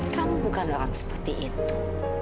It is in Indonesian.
kamu bukan orang seperti itu